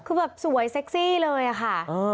คือแบบสวยเซ็กซี่เลยอะค่ะ